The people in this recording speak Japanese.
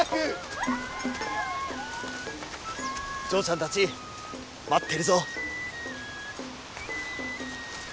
嬢ちゃんたち待ってるぞ。